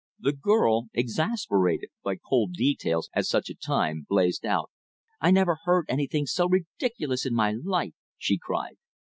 The girl, exasperated by cold details at such a time, blazed out. "I never heard anything so ridiculous in my life!" she cried.